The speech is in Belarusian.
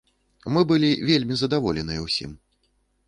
Мы былі вельмі задаволеныя ўсім.